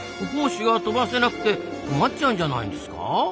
胞子が飛ばせなくて困っちゃうんじゃないんですか？